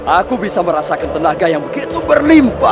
aku bisa merasakan tenaga yang begitu berlimpah